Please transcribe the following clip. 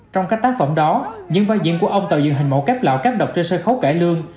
trong các tác phẩm đó những vai diễn của ông tạo dựng hình mẫu cáp lạo cáp đọc trên sân khấu cải lương